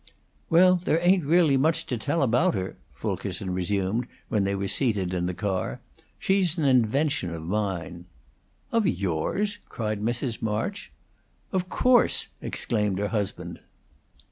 "Well, there ain't really much to tell about her," Fulkerson resumed when they were seated in the car. "She's an invention of mine." "Of yours?" cried Mrs. March. "Of course!" exclaimed her husband.